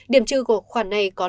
điểm trừ của khoản này có là